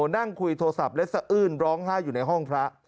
นั่งคุยโทรศัพท์และสะอื้นร้องไห้อยู่ในห้องพระ